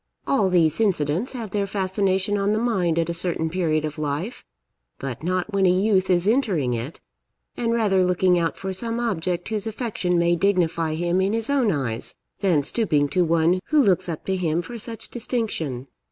All these incidents have their fascination on the mind at a certain period of life, but not when a youth is entering it, and rather looking out for some object whose affection may dignify him in his own eyes than stooping to one who looks up to him for such distinction.